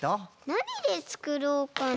なにでつくろうかな？